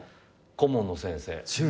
顧問の先生。